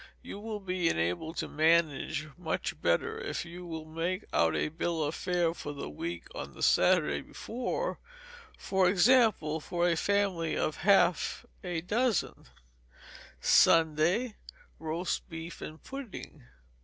You will be enabled to manage much better if you will make out a bill of fare for the week on the Saturday before; for example, for a family of half a dozen: Sunday Roast beef and pudding.